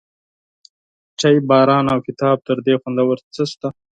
چای، باران، او کتاب، تر دې خوندور څه شته؟